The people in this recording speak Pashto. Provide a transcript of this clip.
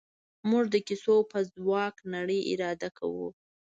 موږ د کیسو په ځواک نړۍ اداره کوو.